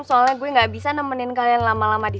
soalnya gue gak bisa nemenin kalian lama lama di sini